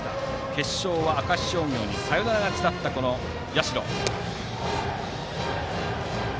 決勝は明石商業にサヨナラ勝ちだった社。